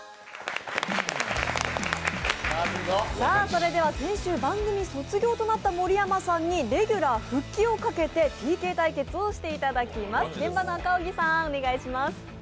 それでは先週、番組卒業となった盛山さんにレギュラー復帰をかけてＰＫ対決をしていただきます。